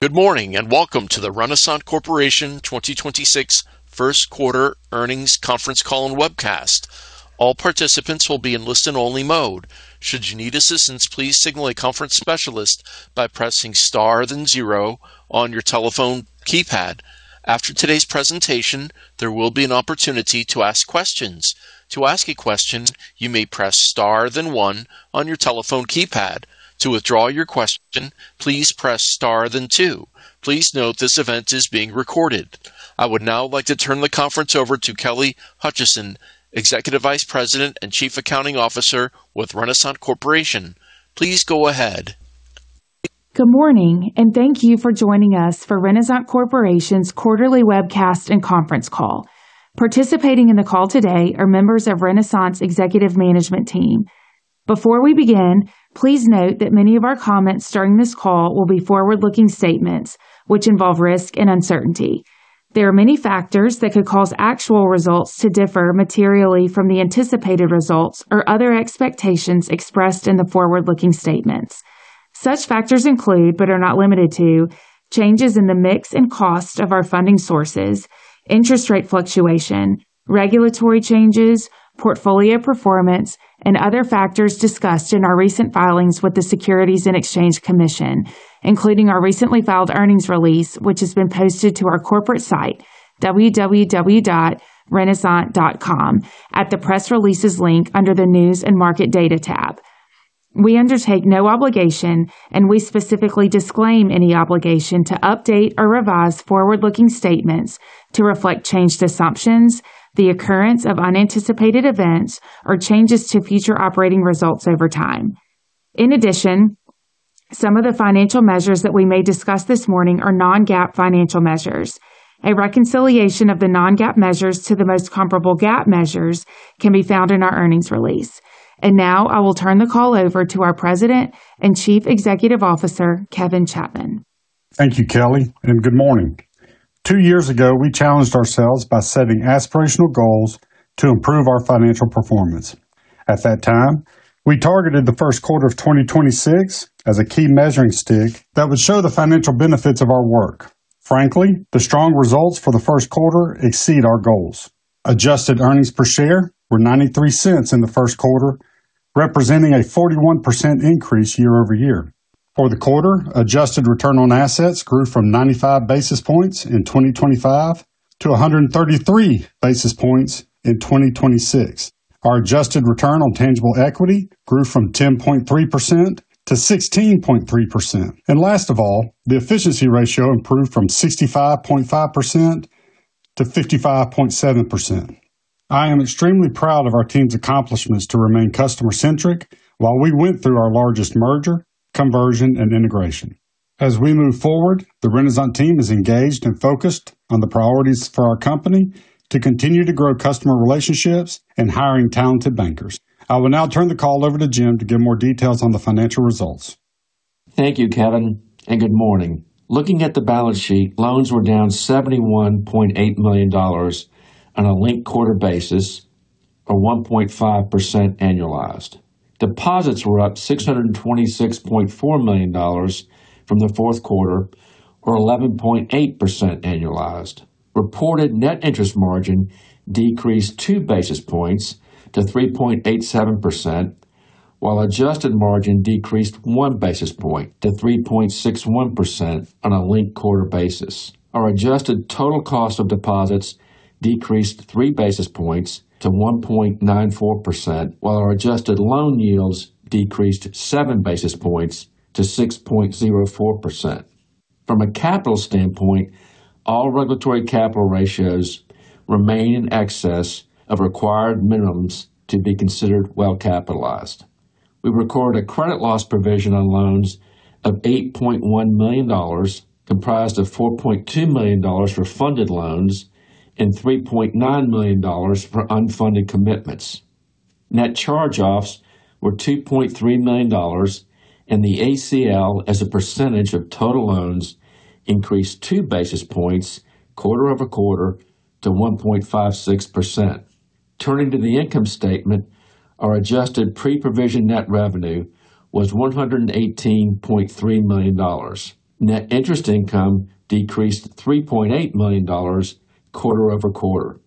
Good morning, and welcome to the Renasant Corporation 2026 1st quarter earnings conference call and webcast. All participants will be in listen-only mode. After today's presentation, there will be an opportunity to ask questions. Please note this event is being recorded. I would now like to turn the conference over to Kelly Hutcheson, Executive Vice President and Chief Accounting Officer with Renasant Corporation. Please go ahead. Good morning, and thank you for joining us for Renasant Corporation's quarterly webcast and conference call. Participating in the call today are members of Renasant's executive management team. Before we begin, please note that many of our comments during this call will be forward-looking statements which involve risk and uncertainty. There are many factors that could cause actual results to differ materially from the anticipated results or other expectations expressed in the forward-looking statements. Such factors include, but are not limited to, changes in the mix and cost of our funding sources, interest rate fluctuation, regulatory changes, portfolio performance, and other factors discussed in our recent filings with the Securities and Exchange Commission, including our recently filed earnings release, which has been posted to our corporate site, www.renasant.com, at the Press Releases link under the News & Market Data tab. We undertake no obligation, and we specifically disclaim any obligation, to update or revise forward-looking statements to reflect changed assumptions, the occurrence of unanticipated events, or changes to future operating results over time. In addition, some of the financial measures that we may discuss this morning are non-GAAP financial measures. A reconciliation of the non-GAAP measures to the most comparable GAAP measures can be found in our earnings release. Now I will turn the call over to our President and Chief Executive Officer, Kevin D. Chapman. Thank you, Kelly, and good morning. Two years ago, we challenged ourselves by setting aspirational goals to improve our financial performance. At that time, we targeted the Q1 of 2026 as a key measuring stick that would show the financial benefits of our work. Frankly, the strong results for the Q1 exceed our goals. Adjusted earnings per share were $0.93 in the Q1, representing a 41% increase year over year. For the quarter, adjusted return on assets grew from 95 basis points in 2025 to 133 basis points in 2026. Our adjusted return on tangible equity grew from 10.3%-16.3%. Last of all, the efficiency ratio improved from 65.5%-55.7%. I am extremely proud of our team's accomplishments to remain customer-centric while we went through our largest merger, conversion, and integration. As we move forward, the Renasant team is engaged and focused on the priorities for our company to continue to grow customer relationships and hiring talented bankers. I will now turn the call over to Jim to give more details on the financial results. Thank you, Kevin, and good morning. Looking at the balance sheet, loans were down $71.8 million on a linked quarter basis, or 1.5% annualized. Deposits were up $626.4 million from the Q4, or 11.8% annualized. Reported net interest margin decreased 2 basis points to 3.87%, while adjusted margin decreased 1 basis point to 3.61% on a linked quarter basis. Our adjusted total cost of deposits decreased 3 basis points to 1.94%, while our adjusted loan yields decreased 7 basis points to 6.04%. From a capital standpoint, all regulatory capital ratios remain in excess of required minimums to be considered well capitalized. We recorded a credit loss provision on loans of $8.1 million, comprised of $4.2 million for funded loans and $3.9 million for unfunded commitments. Net charge-offs were $2.3 million, and the ACL as a percentage of total loans increased two basis points quarter-over-quarter to 1.56%. Turning to the income statement, our adjusted Pre-Provision Net Revenue was $118.3 million. Net interest income decreased $3.8 million quarter-over-quarter.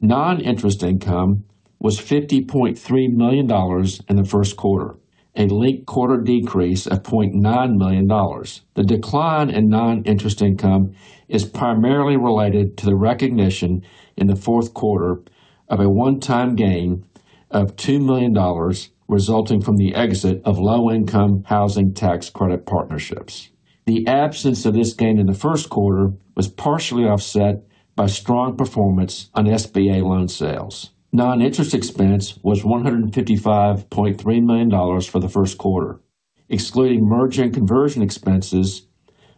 Non-interest income was $50.3 million in the Q1, a linked quarter decrease of $0.9 million. The decline in non-interest income is primarily related to the recognition in the Q4 of a one-time gain of $2 million resulting from the exit of Low-Income Housing Tax Credit partnerships. The absence of this gain in the Q1 was partially offset by strong performance on SBA loan sales. Non-interest expense was $155.3 million for the Q1. Excluding merge and conversion expenses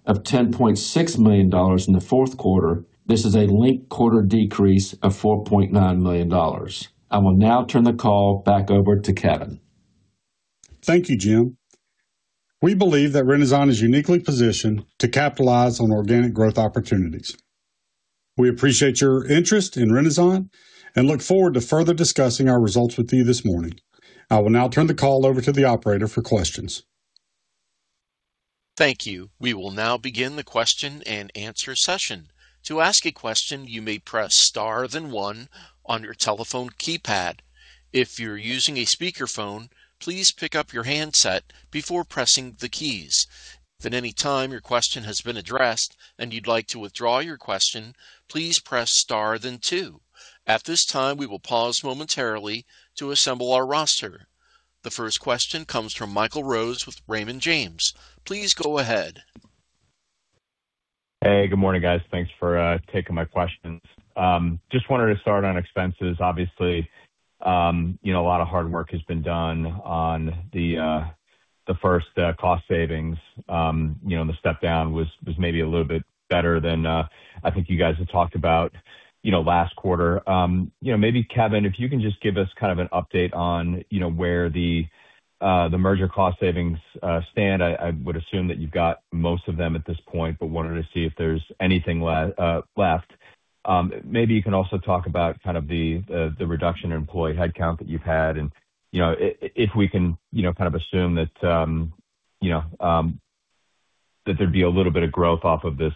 of $10.6 million in the Q4, this is a linked quarter decrease of $4.9 million. I will now turn the call back over to Kevin. Thank you, Jim. We believe that Renasant is uniquely positioned to capitalize on organic growth opportunities. We appreciate your interest in Renasant and look forward to further discussing our results with you this morning. I will now turn the call over to the operator for questions. Thank you. We will now begin the question and answer session. To ask a question, you may press Star than one on your telephone keypad. If you're using a speakerphone, please pick up your handset before pressing the keys. If at any time your question has been addressed and you'd like to withdraw your question, please press Star than two. At this time, we will pause momentarily to assemble our roster. The first question comes from Michael Rose with Raymond James. Please go ahead. Hey, good morning, guys. Thanks for taking my questions. Just wanted to start on expenses. Obviously, you know, a lot of hard work has been done on the first cost savings. The step down was maybe a little bit better than I think you guys had talked about, you know, last quarter. You know, maybe Kevin, if you can just give us kind of an update on, you know, where the merger cost savings stand. I would assume that you've got most of them at this point, but wanted to see if there's anything left. Maybe you can also talk about kind of the reduction in employee headcount that you've had and, you know, if we can, you know, kind of assume that there'd be a little bit of growth off of this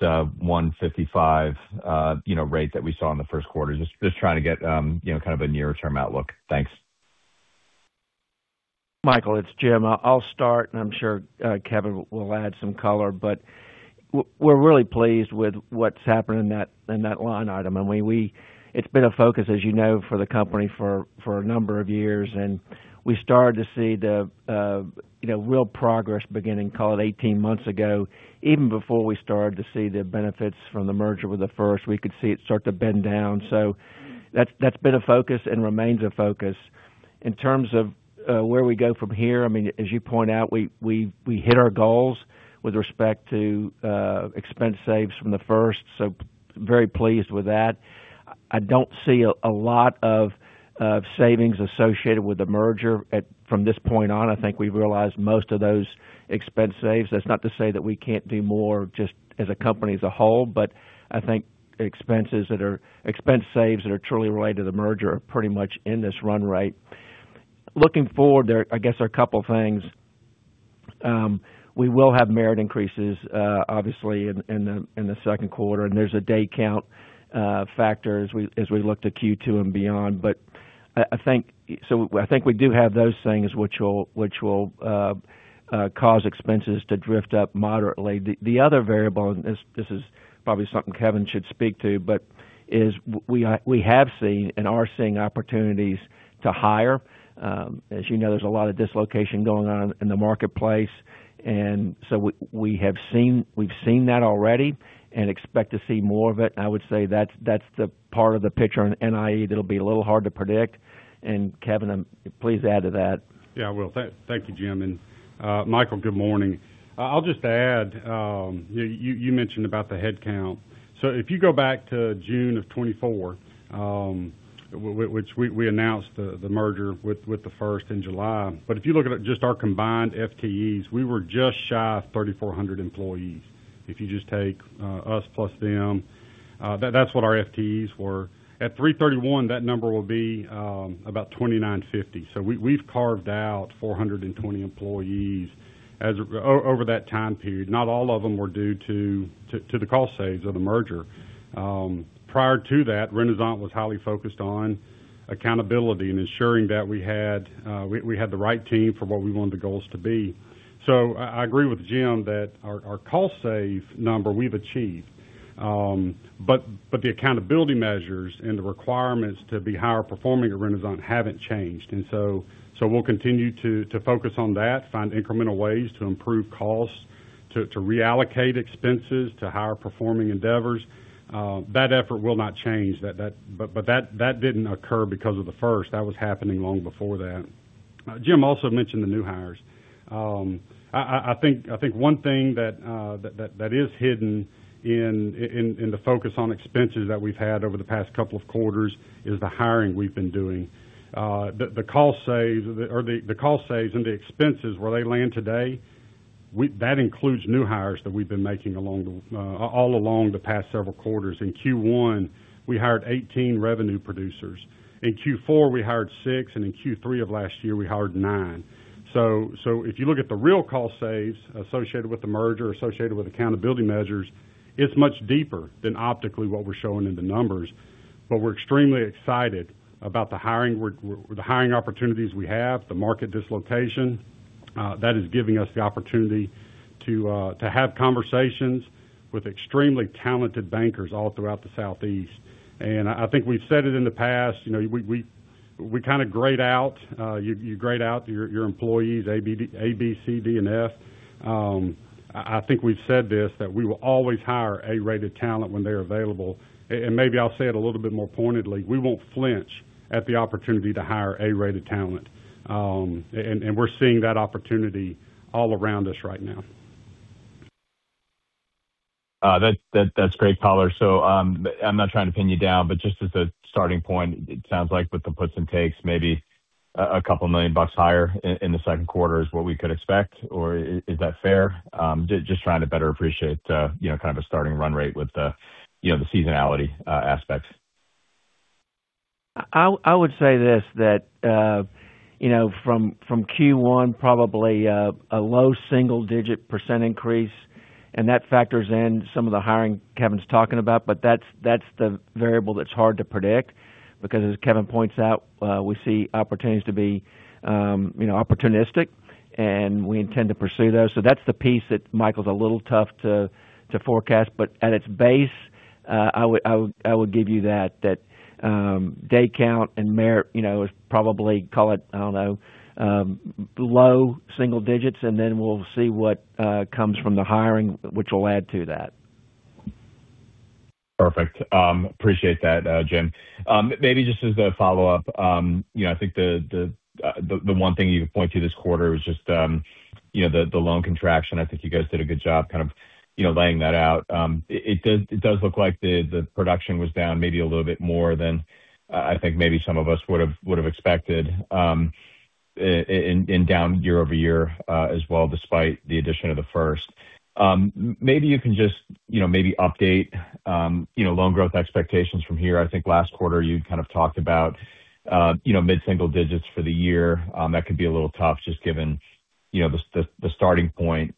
155, you know, rate that we saw in the Q1. Just trying to get, you know, kind of a near-term outlook. Thanks. Michael, it's Jim. I'll start, and I'm sure Kevin will add some color. We're really pleased with what's happened in that, in that line item. I mean, it's been a focus, as you know, for the company for a number of years, and we started to see the, you know, real progress beginning, call it 18 months ago, even before we started to see the benefits from the merger with the first. We could see it start to bend down. That's been a focus and remains a focus. In terms of where we go from here, I mean, as you point out, we hit our goals with respect to expense saves from the first, so very pleased with that. I don't see a lot of savings associated with the merger at from this point on. I think we've realized most of those expense saves. That's not to say that we can't do more just as a company as a whole, but I think expense saves that are truly related to the merger are pretty much in this run rate. Looking forward, there I guess are couple things. We will have merit increases, obviously in the Q2, and there's a day count factor as we look to Q2 and beyond. I think we do have those things which will cause expenses to drift up moderately. The other variable, and this is probably something Kevin should speak to, but is we have seen and are seeing opportunities to hire. As you know, there's a lot of dislocation going on in the marketplace. We've seen that already and expect to see more of it. I would say that's the part of the picture in NIE that'll be a little hard to predict. Kevin, please add to that. Yeah, I will. Thank you, Jim. Michael, good morning. I'll just add, you mentioned about the headcount. If you go back to June of 2024, which we announced the merger with The First in July. If you look at just our combined FTEs, we were just shy of 3,400 employees. If you just take us plus them, that's what our FTEs were. At 3/31, that number will be about 2,950. We've carved out 420 employees over that time period. Not all of them were due to the cost saves of the merger. Prior to that, Renasant was highly focused on accountability and ensuring that we had the right team for what we wanted the goals to be. I agree with Jim that our cost save number we've achieved, but the accountability measures and the requirements to be higher performing at Renasant haven't changed. We'll continue to focus on that, find incremental ways to improve costs, to reallocate expenses to higher performing endeavors. That effort will not change. That did not occur because of the First. That was happening long before that. Jim also mentioned the new hires. I think one thing that is hidden in the focus on expenses that we've had over the past couple of quarters is the hiring we've been doing. The, the cost saves or the cost saves and the expenses where they land today, that includes new hires that we've been making all along the past several quarters. In Q1, we hired 18 revenue producers. In Q4, we hired 6, and in Q3 of last year, we hired 9. If you look at the real cost saves associated with the merger, associated with accountability measures, it's much deeper than optically what we're showing in the numbers. We're extremely excited about the hiring opportunities we have, the market dislocation. That is giving us the opportunity to have conversations with extremely talented bankers all throughout the Southeast. I think we've said it in the past, you know, we kinda grade out, you grade out your employees A, B, C, D, and F. I think we've said this, that we will always hire A-rated talent when they're available. Maybe I'll say it a little bit more pointedly. We won't flinch at the opportunity to hire A-rated talent. We're seeing that opportunity all around us right now. That's great color. I'm not trying to pin you down, but just as a starting point, it sounds like with the puts and takes maybe a couple million dollars higher in the Q2 is what we could expect, or is that fair? Just trying to better appreciate, you know, kind of a starting run rate with the, you know, the seasonality aspects. I would say this, that, you know, from Q1, probably a low single-digit % increase, and that factors in some of the hiring Kevin's talking about, but that's the variable that's hard to predict because as Kevin points out, we see opportunities to be, you know, opportunistic, and we intend to pursue those. That's the piece that, Michael, is a little tough to forecast. At its base, I would give you that day count and you know, probably call it, I don't know, low single digits, and then we'll see what comes from the hiring, which will add to that. Perfect. Appreciate that, Jim. Maybe just as a follow-up, you know, I think the 1 thing you could point to this quarter was just, you know, the loan contraction. I think you guys did a good job kind of, you know, laying that out. It does, it does look like the production was down maybe a little bit more than I think maybe some of us would have, would have expected, down year-over-year as well, despite the addition of the First. Maybe you can just, you know, maybe update, you know, loan growth expectations from here. I think last quarter you kind of talked about, you know, mid-single digits for the year. That could be a little tough just given, you know, the starting point.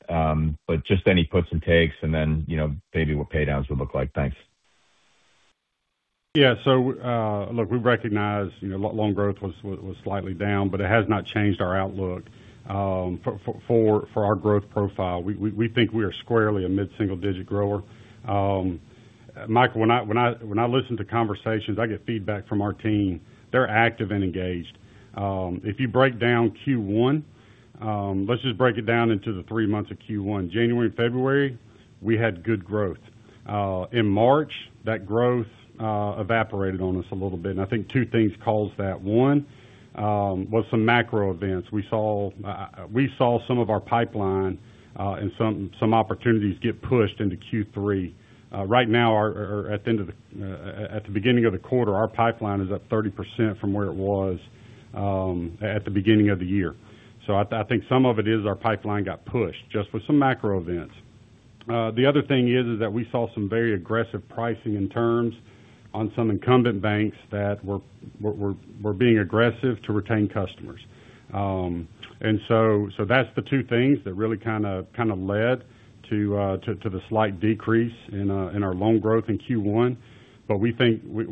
Just any puts and takes and then, you know, maybe what pay downs would look like. Thanks. Look, we recognize, you know, loan growth was slightly down, but it has not changed our outlook for our growth profile. We think we are squarely a mid-single digit grower. Michael, when I listen to conversations, I get feedback from our team. They're active and engaged. If you break down Q1, let's just break it down into the three months of Q1. January and February, we had good growth. In March, that growth evaporated on us a little bit, and I think two things caused that. One, was some macro events. We saw, we saw some of our pipeline and some opportunities get pushed into Q3. Right now at the beginning of the quarter, our pipeline is up 30% from where it was at the beginning of the year. I think some of it is our pipeline got pushed just with some macro events. The other thing is that we saw some very aggressive pricing and terms on some incumbent banks that were being aggressive to retain customers. That's the two things that really kind of led to the slight decrease in our loan growth in Q1. We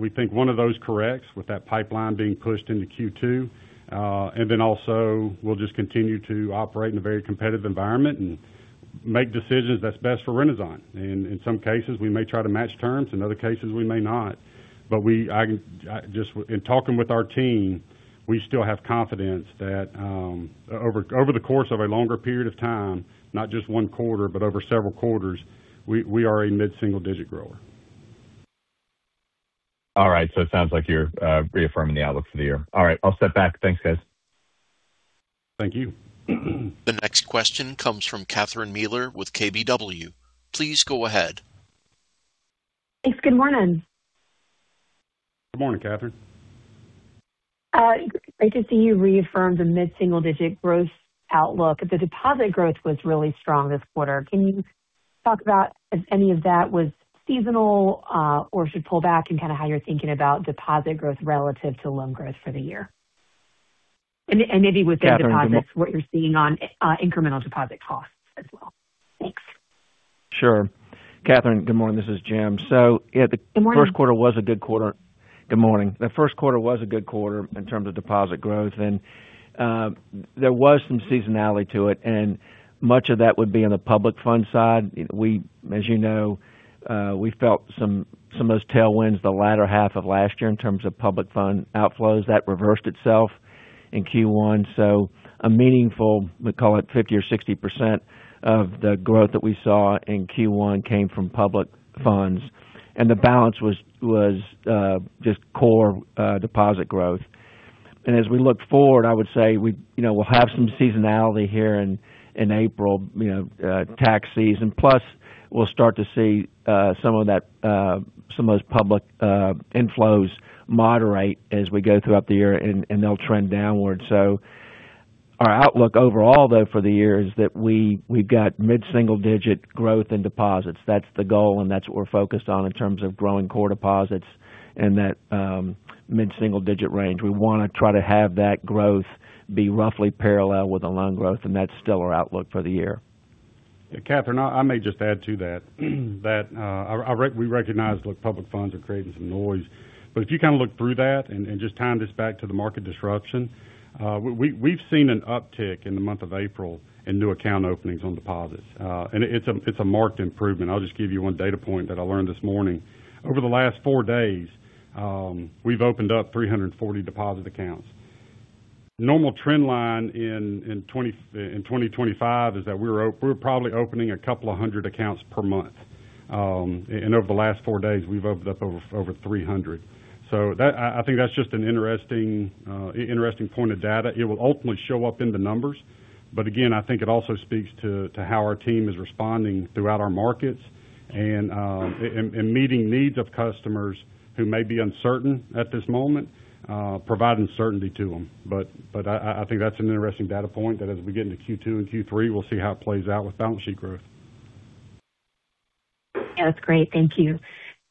think one of those corrects with that pipeline being pushed into Q2. Also we'll just continue to operate in a very competitive environment and make decisions that's best for Renasant. In some cases, we may try to match terms, in other cases, we may not. In talking with our team, we still have confidence that, over the course of a longer period of time, not just 1 quarter, but over several quarters, we are a mid-single digit grower. All right. It sounds like you're reaffirming the outlook for the year. All right, I'll step back. Thanks, guys. Thank you. The next question comes from Catherine Mealor with KBW. Please go ahead. Thanks. Good morning. Good morning, Catherine. Great to see you reaffirm the mid-single digit growth outlook. The deposit growth was really strong this quarter. Can you talk about if any of that was seasonal, or should pull back and kind of how you're thinking about deposit growth relative to loan growth for the year? What you're seeing on incremental deposit costs as well. Thanks. Sure. Catherine, good morning. This is Jim. Good morning. Good morning. The Q1 was a good quarter in terms of deposit growth, and there was some seasonality to it, and much of that would be on the public fund side. We, as you know, we felt some of those tailwinds the latter half of last year in terms of public fund outflows. That reversed itself in Q1. A meaningful, we call it 50% or 60% of the growth that we saw in Q1 came from public funds, and the balance was just core deposit growth. As we look forward, I would say we, you know, we'll have some seasonality here in April, you know, tax season, plus we'll start to see some of that, some of those public inflows moderate as we go throughout the year and they'll trend downward. Our outlook overall, though, for the year is that we've got mid-single digit growth in deposits. That's the goal, and that's what we're focused on in terms of growing core deposits in that mid-single digit range. We wanna try to have that growth be roughly parallel with the loan growth, and that's still our outlook for the year. Catherine, I may just add to that we recognize, look, public funds are creating some noise. If you kind of look through that and just time this back to the market disruption, we've seen an uptick in the month of April in new account openings on deposits. It's a marked improvement. I'll just give you one data point that I learned this morning. Over the last four days, we've opened up 340 deposit accounts. Normal trend line in 2025 is that we're probably opening a couple of hundred accounts per month. Over the last four days, we've opened up over 300. I think that's just an interesting point of data. It will ultimately show up in the numbers. Again, I think it also speaks to how our team is responding throughout our markets and meeting needs of customers who may be uncertain at this moment, providing certainty to them. I think that's an interesting data point that as we get into Q2 and Q3, we'll see how it plays out with balance sheet growth. Yeah, that's great. Thank you.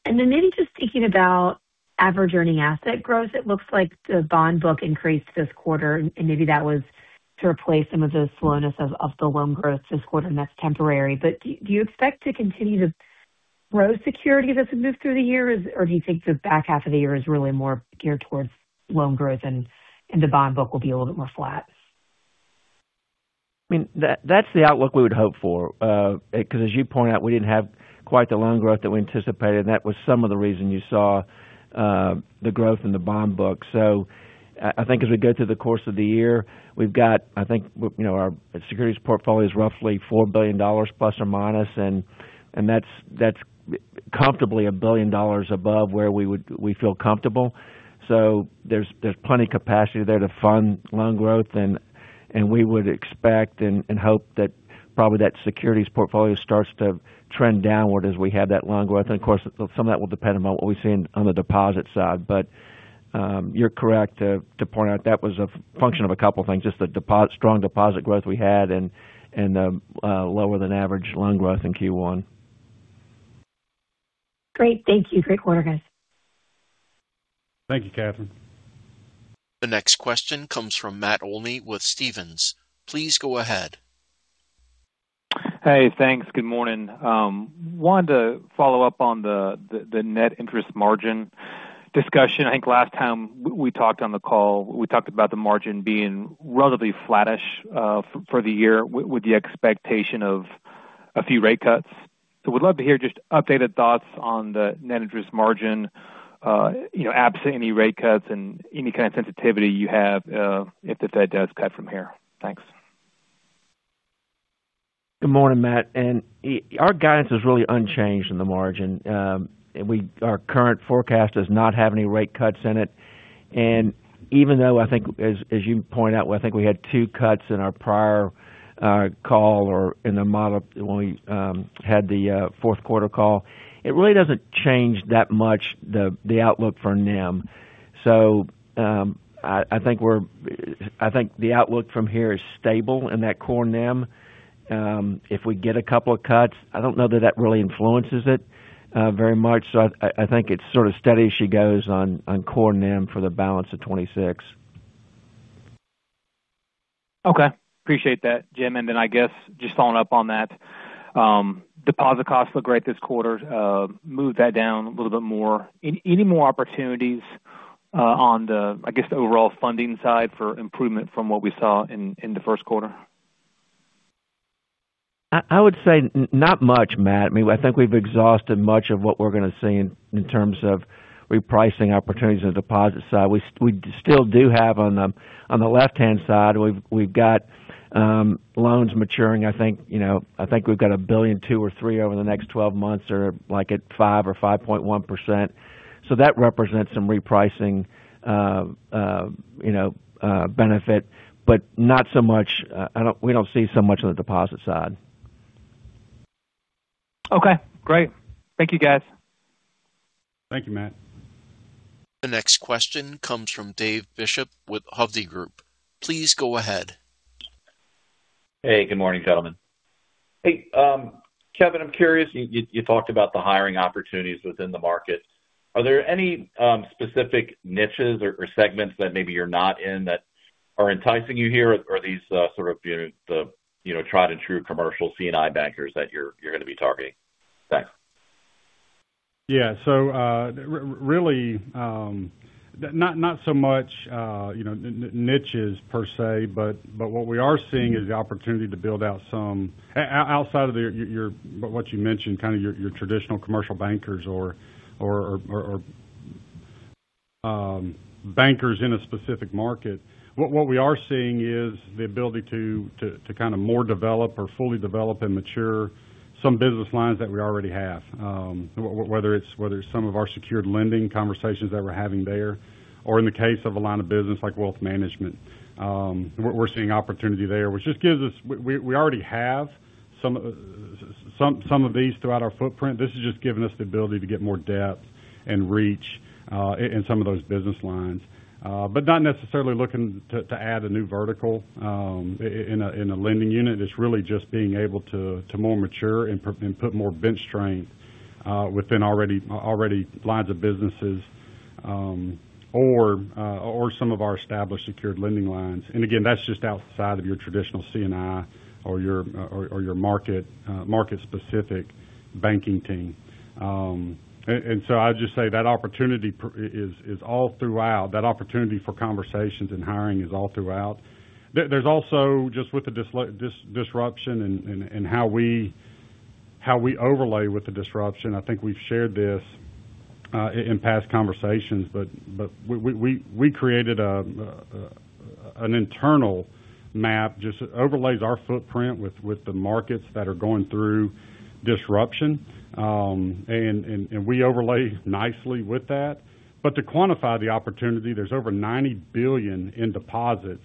Then maybe just thinking about average earning asset growth. It looks like the bond book increased this quarter, and maybe that was to replace some of the slowness of the loan growth this quarter, and that's temporary. Do you expect to continue to grow securities as we move through the year? Or do you think the back half of the year is really more geared towards loan growth and the bond book will be a little bit more flat? I mean, that's the outlook we would hope for, because as you point out, we didn't have quite the loan growth that we anticipated, and that was some of the reason you saw the growth in the bond book. I think as we go through the course of the year, we've got, I think, you know, our securities portfolio is roughly $4 billion plus or minus, and that's comfortably $1 billion above where we feel comfortable. There's plenty capacity there to fund loan growth. We would expect and hope that probably that securities portfolio starts to trend downward as we have that loan growth. Of course, some of that will depend on what we see on the deposit side. You're correct to point out that was a function of a couple of things, just the strong deposit growth we had and lower than average loan growth in Q1. Great. Thank you. Great quarter, guys. Thank you, Catherine. The next question comes from Matt Olney with Stephens. Please go ahead. Hey, thanks. Good morning. wanted to follow up on the net interest margin discussion. I think last time we talked on the call, we talked about the margin being relatively flattish for the year with the expectation of a few rate cuts. Would love to hear just updated thoughts on the net interest margin, you know, absent any rate cuts and any kind of sensitivity you have, if the Fed does cut from here. Thanks. Good morning, Matt Olney. Our guidance is really unchanged in the margin. Our current forecast does not have any rate cuts in it. Even though I think as you point out, I think we had 2 cuts in our prior call or in the model when we had the Q4 call, it really doesn't change that much the outlook for NIM. I think the outlook from here is stable in that core NIM. If we get a couple of cuts, I don't know that that really influences it very much. I think it's sort of steady as she goes on core NIM for the balance of 2026. Okay. Appreciate that, Jim. I guess just following up on that, deposit costs look great this quarter, move that down a little bit more. Any more opportunities on the, I guess, the overall funding side for improvement from what we saw in the Q1? I would say not much, Matt. I mean, I think we've exhausted much of what we're gonna see in terms of repricing opportunities on the deposit side. We still do have on the left-hand side, we've got loans maturing. I think, you know, I think we've got $1.2 billion or $1.3 billion over the next 12 months or like at 5% or 5.1%. That represents some repricing, you know, benefit, but not so much, we don't see so much on the deposit side. Okay, great. Thank you, guys. Thank you, Matt. The next question comes from David Bishop with Hovde Group. Please go ahead. Hey, good morning, gentlemen. Hey, Kevin, I'm curious, you talked about the hiring opportunities within the market. Are there any specific niches or segments that maybe you're not in that are enticing you here? Are these sort of, you know, the, you know, tried and true commercial C&I bankers that you're gonna be targeting? Thanks. Yeah. So, really, not so much, you know, niches per se, but what we are seeing is the opportunity to build out some outside of your, what you mentioned, kind of your traditional commercial bankers or bankers in a specific market. What we are seeing is the ability to kind of more develop or fully develop and mature some business lines that we already have. Whether it's some of our secured lending conversations that we're having there, or in the case of a line of business like wealth management. We're seeing opportunity there, which just gives us. We already have some of these throughout our footprint. This is just giving us the ability to get more depth and reach in some of those business lines. Not necessarily looking to add a new vertical in a lending unit. It's really just being able to more mature and put more bench strength within already lines of businesses, or some of our established secured lending lines. Again, that's just outside of your traditional C&I or your, or your market specific banking team. I'd just say that opportunity is all throughout. That opportunity for conversations and hiring is all throughout. There's also, just with the disruption and how we overlay with the disruption, I think we've shared this in past conversations, but we created an internal map, just overlays our footprint with the markets that are going through disruption. We overlay nicely with that. To quantify the opportunity, there's over $90 billion in deposits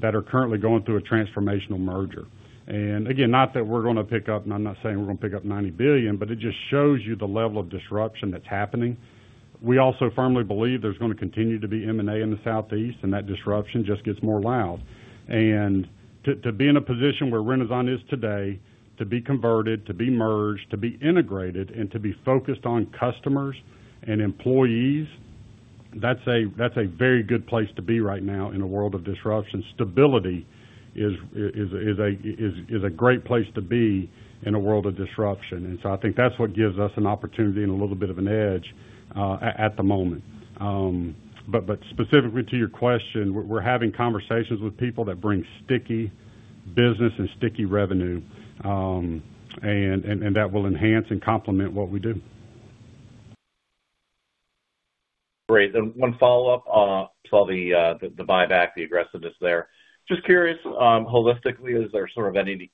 that are currently going through a transformational merger. Again, not that we're gonna pick up, and I'm not saying we're gonna pick up $90 billion, but it just shows you the level of disruption that's happening. We also firmly believe there's gonna continue to be M&A in the Southeast, and that disruption just gets more loud. To be in a position where Renasant is today, to be converted, to be merged, to be integrated, and to be focused on customers and employees, that's a very good place to be right now in a world of disruption. Stability is a great place to be in a world of disruption. I think that's what gives us an opportunity and a little bit of an edge at the moment. But specifically to your question, we're having conversations with people that bring sticky business and sticky revenue and that will enhance and complement what we do. Great. One follow-up, saw the buyback, the aggressiveness there. Just curious, holistically, is there sort of any,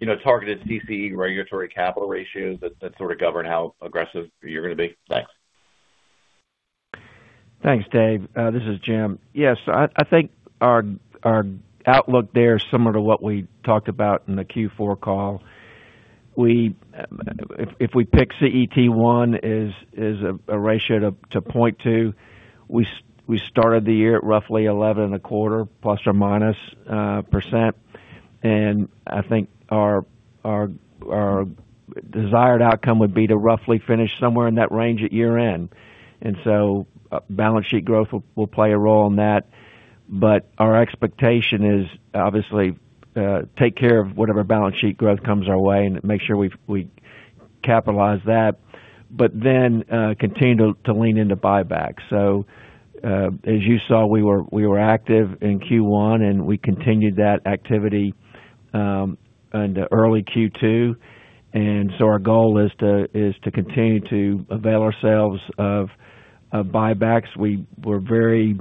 you know, targeted CET regulatory capital ratios that sort of govern how aggressive you're gonna be? Thanks. Thanks, Dave. This is Jim. Yes, I think our outlook there is similar to what we talked about in the Q4 call. If we pick CET 1 is a ratio to point two. We started the year at roughly 11 and a quarter plus or minus percent. I think our desired outcome would be to roughly finish somewhere in that range at year-end. Balance sheet growth will play a role in that. Our expectation is obviously, take care of whatever balance sheet growth comes our way and make sure we've, we capitalize that, continue to lean into buyback. As you saw, we were active in Q1, and we continued that activity into early Q2. Our goal is to continue to avail ourselves of buybacks. We're very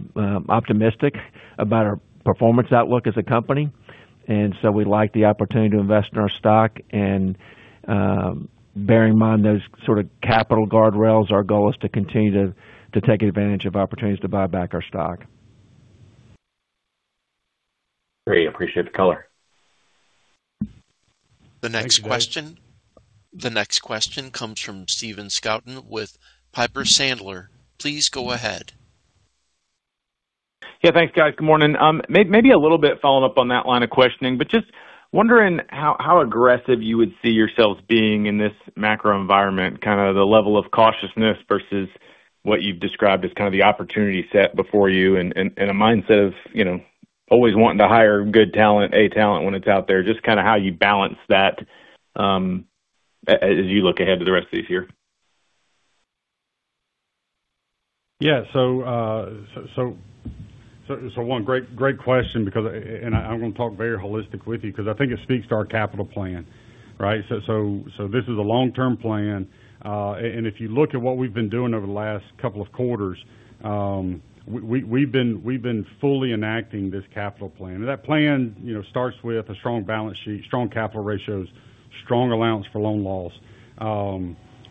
optimistic about our performance outlook as a company. We like the opportunity to invest in our stock. Bearing in mind those sort of capital guardrails, our goal is to continue to take advantage of opportunities to buy back our stock. Great. Appreciate the color. Thanks, David. The next question comes from Stephen Scouten with Piper Sandler. Please go ahead. Yeah, thanks, guys. Good morning. Maybe a little bit following up on that line of questioning, but just wondering how aggressive you would see yourselves being in this macro environment, kind of the level of cautiousness versus what you've described as kind of the opportunity set before you and a mindset of, you know, always wanting to hire good talent, A talent when it's out there, just kind of how you balance that as you look ahead to the rest of this year. Yeah. One great question because I'm going to talk very holistically with you because I think it speaks to our capital plan, right? This is a long-term plan. And if you look at what we've been doing over the last couple of quarters, we've been fully enacting this capital plan. That plan, you know, starts with a strong balance sheet, strong capital ratios, strong allowance for loan loss.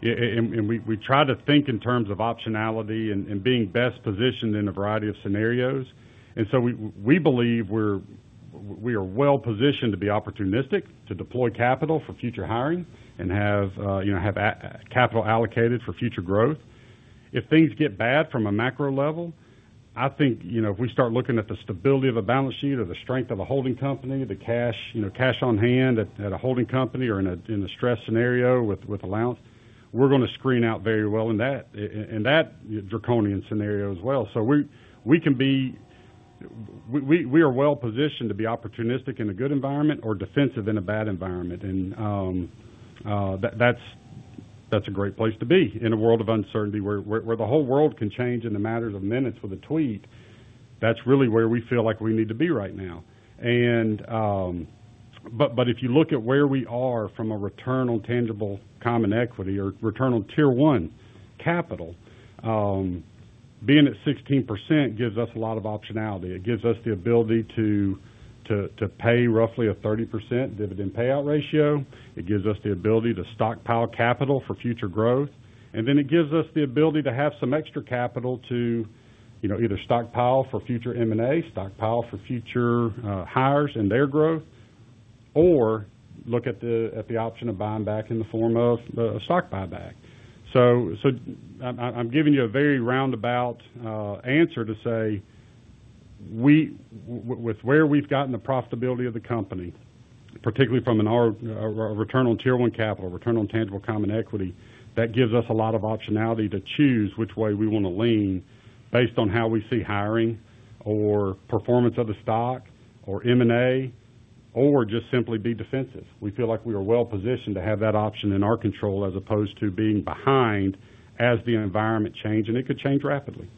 And we try to think in terms of optionality and being best positioned in a variety of scenarios. We believe we are well-positioned to be opportunistic, to deploy capital for future hiring and have, you know, capital allocated for future growth. If things get bad from a macro level, I think, you know, if we start looking at the stability of a balance sheet or the strength of a holding company, the cash, you know, cash on hand at a holding company or in a stress scenario with allowance, we're going to screen out very well in that in that draconian scenario as well. We are well-positioned to be opportunistic in a good environment or defensive in a bad environment. That's, that's a great place to be in a world of uncertainty where the whole world can change in the matter of minutes with a tweet. That's really where we feel like we need to be right now. If you look at where we are from a return on tangible common equity or return on Tier 1 capital, being at 16% gives us a lot of optionality. It gives us the ability to pay roughly a 30% dividend payout ratio. It gives us the ability to stockpile capital for future growth. It gives us the ability to have some extra capital to, you know, either stockpile for future M&A, stockpile for future hires and their growth, or look at the option of buying back in the form of a stock buyback. I'm giving you a very roundabout answer to say with where we've gotten the profitability of the company, particularly from a return on Tier 1 capital, return on tangible common equity, that gives us a lot of optionality to choose which way we want to lean based on how we see hiring or performance of the stock or M&A, or just simply be defensive. We feel like we are well-positioned to have that option in our control as opposed to being behind as the environment change, and it could change rapidly.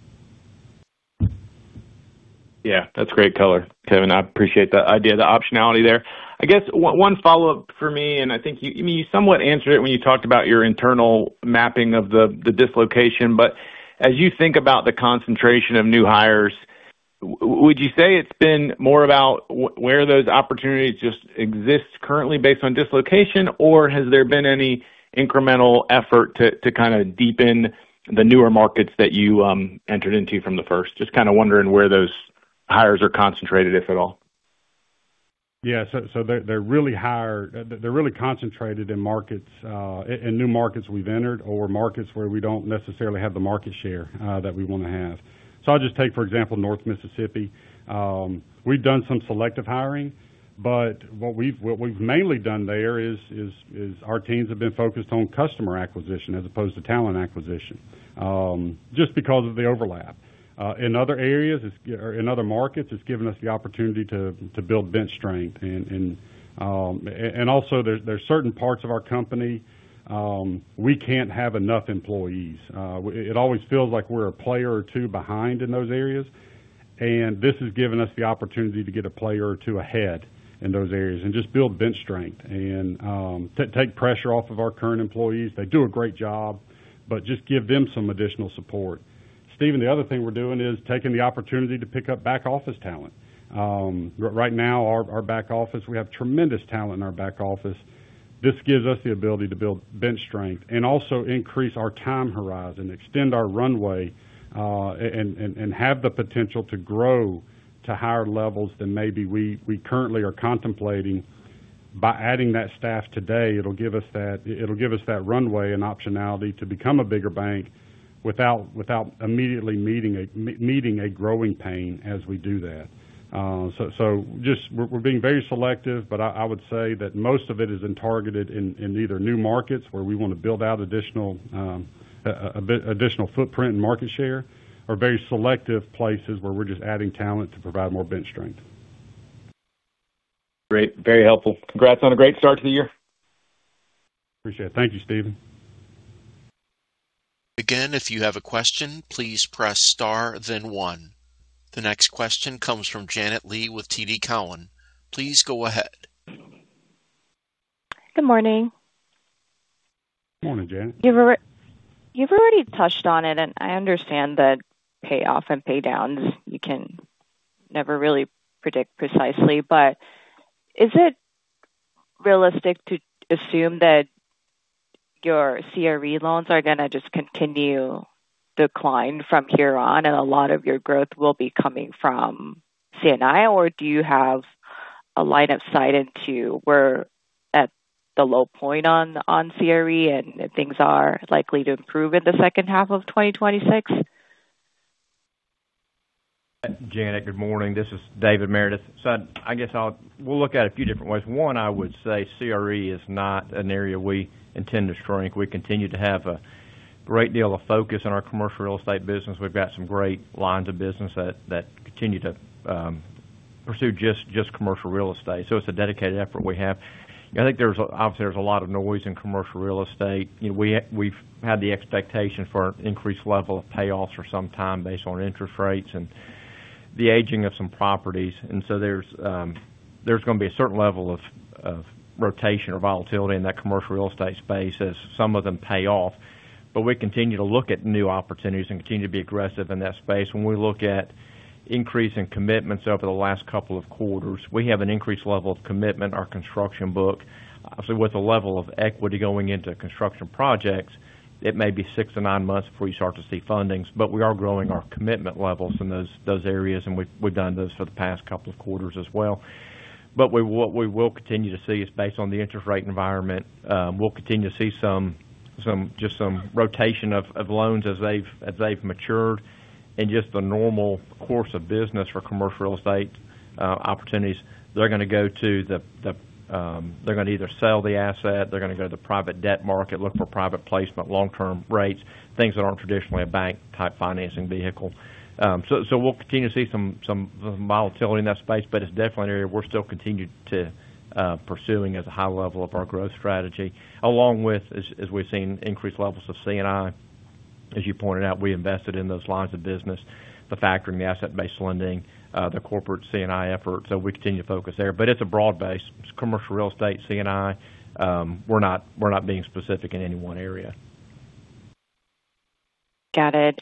Yeah, that's great color, Kevin. I appreciate the idea, the optionality there. I guess one follow-up for me. I think you, I mean, you somewhat answered it when you talked about your internal mapping of the dislocation. As you think about the concentration of new hires, would you say it's been more about where those opportunities just exist currently based on dislocation, or has there been any incremental effort to kind of deepen the newer markets that you entered into from The First? Just kind of wondering where those hires are concentrated, if at all. Yeah. They're really higher. They're really concentrated in markets, in new markets we've entered or markets where we don't necessarily have the market share that we wanna have. I'll just take, for example, North Mississippi. We've done some selective hiring, but what we've mainly done there is our teams have been focused on customer acquisition as opposed to talent acquisition, just because of the overlap. In other areas, or in other markets, it's given us the opportunity to build bench strength. And also there are certain parts of our company, we can't have enough employees. It always feels like we're a player or two behind in those areas, and this has given us the opportunity to get a player or two ahead in those areas and just build bench strength and take pressure off of our current employees. They do a great job, but just give them some additional support. Stephen, the other thing we're doing is taking the opportunity to pick up back office talent. Right now our back office, we have tremendous talent in our back office. This gives us the ability to build bench strength and also increase our time horizon, extend our runway, and have the potential to grow to higher levels than maybe we currently are contemplating. By adding that staff today, it'll give us that runway and optionality to become a bigger bank without immediately meeting a growing pain as we do that. Just we're being very selective, but I would say that most of it has been targeted in either new markets where we want to build out additional footprint and market share or very selective places where we're just adding talent to provide more bench strength. Great. Very helpful. Congrats on a great start to the year. Appreciate it. Thank you, Stephen. Again, if you have a question, please press star then one. The next question comes from Janet Lee with TD Cowen. Please go ahead. Good morning. Morning, Janet. You've already touched on it, and I understand that payoff and paydowns, you can never really predict precisely. Is it realistic to assume that your CRE loans are gonna just continue decline from here on, and a lot of your growth will be coming from C&I? Do you have a line of sight into we're at the low point on CRE and things are likely to improve in the second half of 2026? Janet, good morning. This is David Meredith. I guess we'll look at a few different ways. 1, I would say CRE is not an area we intend to shrink. We continue to have a great deal of focus on our commercial real estate business. We've got some great lines of business that continue to pursue commercial real estate. It's a dedicated effort we have. I think obviously, there's a lot of noise in commercial real estate. You know, we've had the expectation for increased level of payoffs for some time based on interest rates and the aging of some properties. There's gonna be a certain level of rotation or volatility in that commercial real estate space as some of them pay off. We continue to look at new opportunities and continue to be aggressive in that space. When we look at increasing commitments over the last couple of quarters, we have an increased level of commitment, our construction book. Obviously, with the level of equity going into construction projects, it may be 6-9 months before you start to see fundings. We are growing our commitment levels in those areas, and we've done those for the past couple of quarters as well. What we will continue to see is based on the interest rate environment, we'll continue to see some just some rotation of loans as they've matured and just the normal course of business for commercial real estate opportunities. They're gonna go to the, they're gonna either sell the asset, they're gonna go to the private debt market, look for private placement, long-term rates, things that aren't traditionally a bank-type financing vehicle. We'll continue to see some volatility in that space, but it's definitely an area we're still continued to pursuing as a high level of our growth strategy, along with as we've seen increased levels of C&I. As you pointed out, we invested in those lines of business, the factoring, the asset-based lending, the corporate C&I effort. We continue to focus there. It's a broad base. It's commercial real estate, C&I. We're not being specific in any one area. Got it.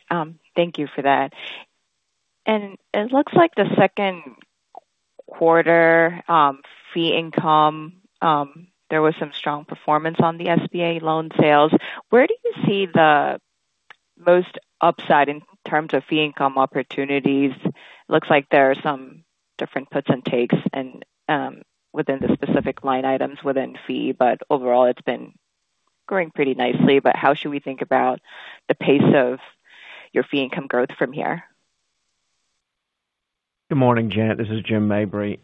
Thank you for that. It looks like the Q2 fee income, there was some strong performance on the SBA loan sales. Where do you see the most upside in terms of fee income opportunities? It looks like there are some different puts and takes and within the specific line items within fee, but overall, it's been growing pretty nicely. How should we think about the pace of your fee income growth from here? Good morning, Janet. This is Jim Mabry.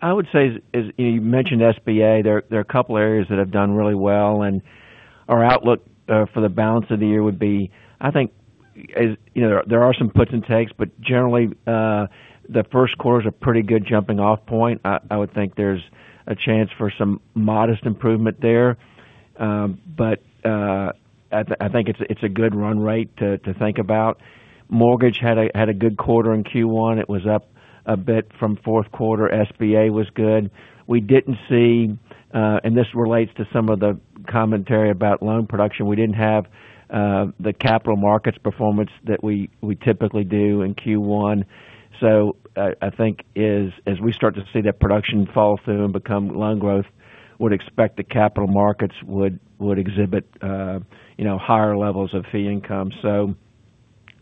I would say as you mentioned SBA, there are a couple areas that have done really well, and our outlook for the balance of the year would be, I think, is, you know, there are some puts and takes, but generally, the Q1 is a pretty good jumping-off point. I would think there's a chance for some modest improvement there. But I think it's a good run rate to think about. mortgage had a good quarter in Q1. It was up a bit from Q4. SBA was good. We didn't see, and this relates to some of the commentary about loan production. We didn't have the capital markets performance that we typically do in Q1. I think as we start to see that production fall through and become loan growth, would expect the capital markets would exhibit, you know, higher levels of fee income.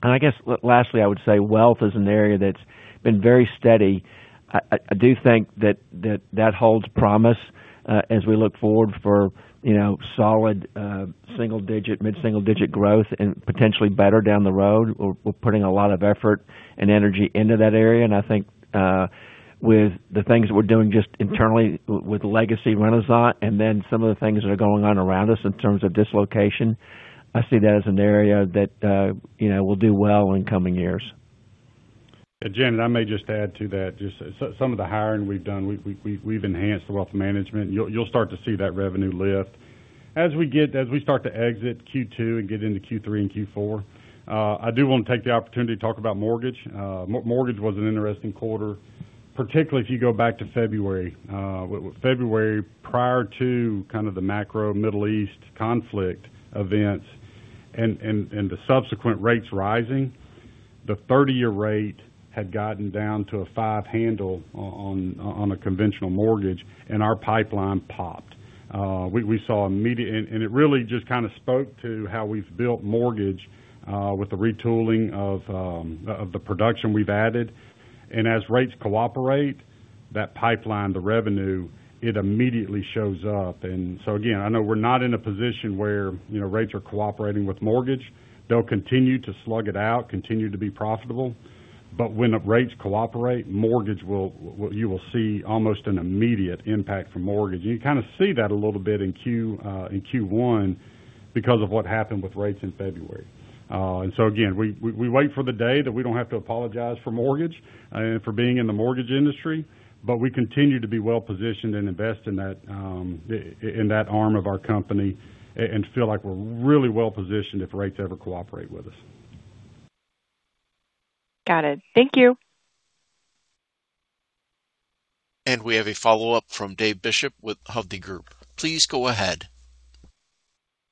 I guess lastly, I would say wealth is an area that's been very steady. I do think that that holds promise as we look forward for, you know, solid single-digit, mid-single-digit growth and potentially better down the road. We're putting a lot of effort and energy into that area. I think with the things that we're doing just internally with Legacy Renasant and then some of the things that are going on around us in terms of dislocation, I see that as an area that, you know, will do well in coming years. Janet, I may just add to that. Just some of the hiring we've done, we've enhanced the wealth management. You'll start to see that revenue lift. As we start to exit Q2 and get into Q3 and Q4, I do want to take the opportunity to talk about mortgage. Mortgage was an interesting quarter, particularly if you go back to February. With February, prior to kind of the macro Middle East conflict events and the subsequent rates rising, the 30-year rate had gotten down to a 5 handle on a conventional mortgage, and our pipeline popped. We saw immediate. It really just kind of spoke to how we've built mortgage with the retooling of the production we've added. As rates cooperate, that pipeline, the revenue, it immediately shows up. Again, I know we're not in a position where, you know, rates are cooperating with mortgage. They'll continue to slug it out, continue to be profitable. When the rates cooperate, mortgage will, you will see almost an immediate impact from mortgage. You kind of see that a little bit in Q in Q1 because of what happened with rates in February. Again, we wait for the day that we don't have to apologize for mortgage for being in the mortgage industry. We continue to be well-positioned and invest in that in that arm of our company and feel like we're really well-positioned if rates ever cooperate with us. Got it. Thank you. We have a follow-up from David Bishop with Hovde Group. Please go ahead.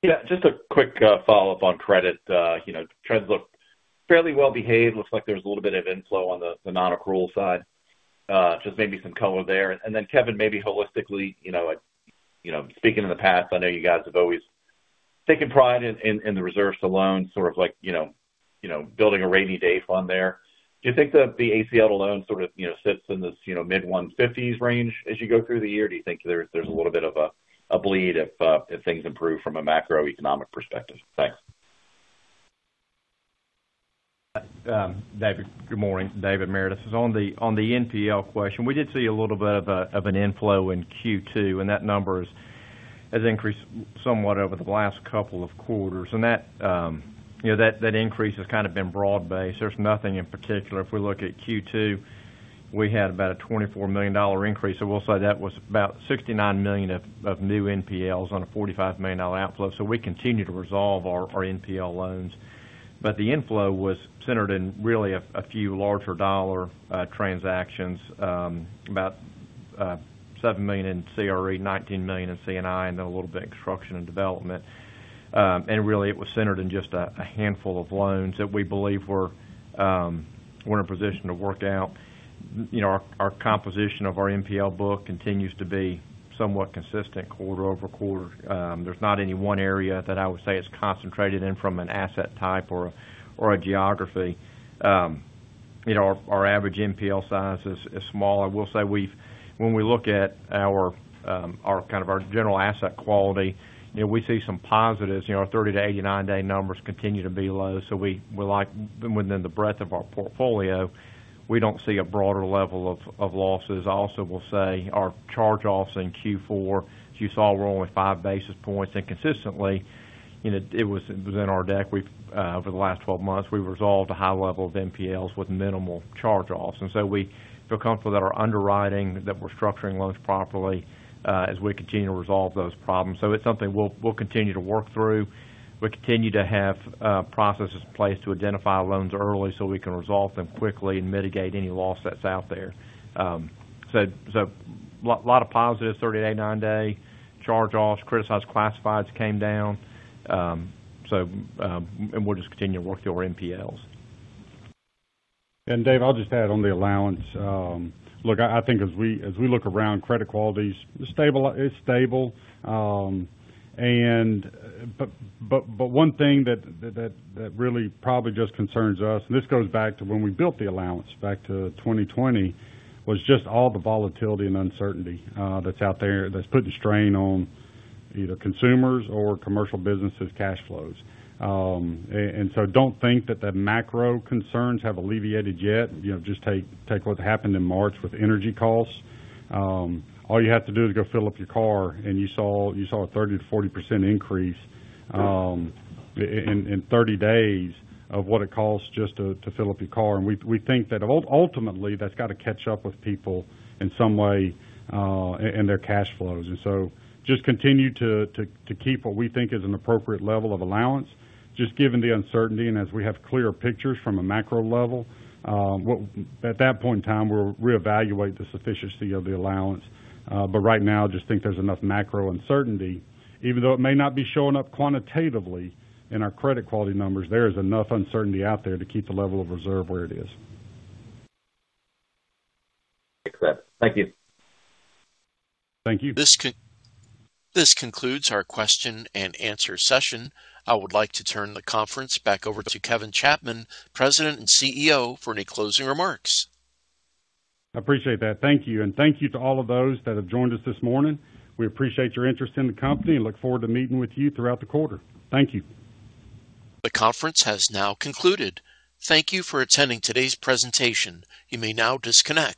Yeah, just a quick follow-up on credit. You know, trends look fairly well behaved. Looks like there's a little bit of inflow on the non-accrual side. Just maybe some color there. Then Kevin, maybe holistically, you know, speaking in the past, I know you guys have always taken pride in the reserves to loans, sort of like, you know, building a rainy day fund there. Do you think the ACL alone sort of, you know, sits in this, you know, mid one-fifties range as you go through the year? Do you think there's a little bit of a bleed if things improve from a macroeconomic perspective? Thanks. David, good morning. David Meredith. On the NPL question, we did see a little bit of an inflow in Q2, and that number has increased somewhat over the last couple of quarters. That, you know, that increase has kind of been broad-based. There's nothing in particular. If we look at Q2, we had about a $24 million increase. We'll say that was about $69 million of new NPLs on a $45 million outflow. We continue to resolve our NPL loans. The inflow was centered in really a few larger dollar transactions, about $7 million in CRE, $19 million in C&I, and a little bit construction and development. Really it was centered in just a handful of loans that we believe were in a position to work out. You know, our composition of our NPL book continues to be somewhat consistent quarter-over-quarter. There's not any one area that I would say is concentrated in from an asset type or a geography. You know, our average NPL size is small. I will say when we look at our kind of our general asset quality, you know, we see some positives. You know, our 30-day, 89-day numbers continue to be low. We like within the breadth of our portfolio, we don't see a broader level of losses. I also will say our charge-offs in Q4, as you saw, were only five basis points. Consistently, you know, it was, it was in our deck. We've over the last 12 months, we've resolved a high level of NPLs with minimal charge-offs. We feel comfortable that our underwriting, that we're structuring loans properly, as we continue to resolve those problems. It's something we'll continue to work through. We continue to have processes in place to identify loans early so we can resolve them quickly and mitigate any loss that's out there. Lot of positives, 38-9 day, charge-offs, criticized classified came down. We'll just continue to work through our NPLs. Dave, I'll just add on the allowance. Look, I think as we look around credit quality, stable is stable. One thing that really probably just concerns us, and this goes back to when we built the allowance back to 2020, was just all the volatility and uncertainty that's out there that's putting strain on either consumers or commercial businesses' cash flows. Don't think that the macro concerns have alleviated yet. You know, just take what happened in March with energy costs. All you have to do is go fill up your car and you saw a 30%-40% increase in 30 days of what it costs just to fill up your car. We, we think that ultimately that's got to catch up with people in some way in their cash flows. Just continue to keep what we think is an appropriate level of allowance, just given the uncertainty. As we have clearer pictures from a macro level, at that point in time, we'll reevaluate the sufficiency of the allowance. Right now just think there's enough macro uncertainty. Even though it may not be showing up quantitatively in our credit quality numbers, there is enough uncertainty out there to keep the level of reserve where it is. Accept. Thank you. Thank you. This concludes our question and answer session. I would like to turn the conference back over to Kevin Chapman, President and CEO, for any closing remarks. I appreciate that. Thank you. Thank you to all of those that have joined us this morning. We appreciate your interest in the company and look forward to meeting with you throughout the quarter. Thank you. The conference has now concluded. Thank you for attending today's presentation. You may now disconnect.